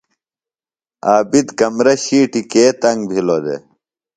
ݨ عابد کمرہ شِیٹیۡ کے تنگ بِھلوۡ دےۡ؟